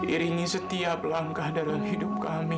iringi setiap langkah dalam hidup kami